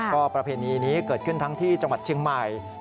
ก็ประเพณีนี้เกิดขึ้นทั้งที่จังหวัดเชียงใหม่